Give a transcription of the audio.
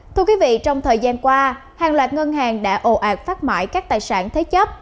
thưa quý vị trong thời gian qua hàng loạt ngân hàng đã ồ ạc phát mãi các tài sản thế chấp